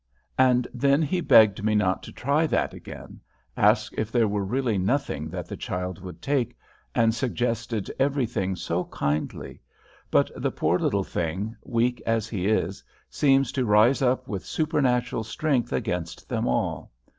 And then he begged me not to try that again, asked if there were really nothing that the child would take, and suggested every thing so kindly. But the poor little thing, weak as he is, seems to rise up with supernatural strength against them all.